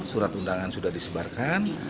surat undangan sudah disebarkan